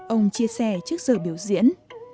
ông chia sẻ trước giờ biểu diễn